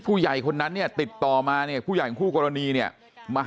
ผู้ใหญ่คนนั้นเนี่ยติดต่อมาเนี่ยผู้ใหญ่ของคู่กรณีเนี่ยมา